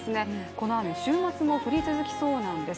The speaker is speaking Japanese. この雨、週末も降り続きそうなんです。